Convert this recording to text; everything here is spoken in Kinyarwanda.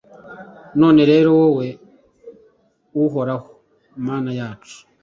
None rero, wowe Uhoraho, Mana yacu,